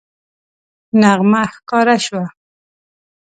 نغمه ښکاره شوه